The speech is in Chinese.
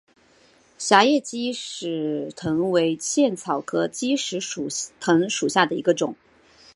狭叶鸡矢藤为茜草科鸡矢藤属下的一个种。